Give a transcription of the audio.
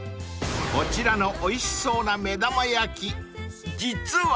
［こちらのおいしそうな目玉焼き実は］